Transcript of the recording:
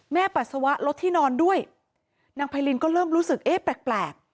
แม่ปัสสาวะรถที่นอนด้วยนางพายรินก็เริ่มรู้สึกแปลก